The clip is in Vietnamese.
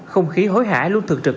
không khí hối hả luôn thực trực